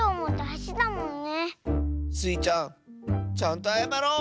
スイちゃんちゃんとあやまろう！